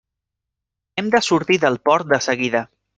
Hem de sortir del port de seguida.